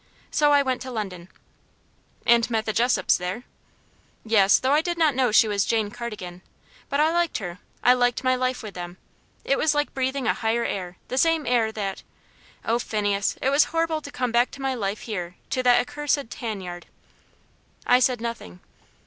So I went to London." "And met the Jessops there?" "Yes; though I did not know she was Jane Cardigan. But I liked her I liked my life with them. It was like breathing a higher air, the same air that Oh, Phineas, it was horrible to come back to my life here to that accursed tan yard!" I said nothing.